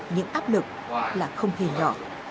những áp lực là không hề nhỏ